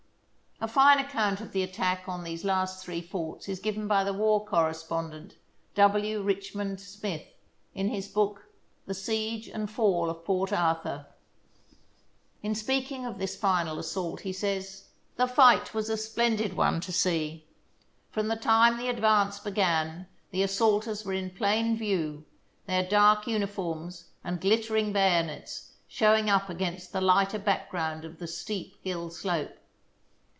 A fine account of the attack on these last three forts is given by the war correspondent, W. Rich mond Smith, in his book, " The Siege and Fall of Port Arthur." In speaking of this final assault, he says: The fight was a splendid one to see. From the time the advance began the assaulters were in plain view, their dark uniforms and glittering bayonets showing up against the lighter background of the steep hill slope.